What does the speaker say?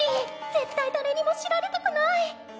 絶対誰にも知られたくない！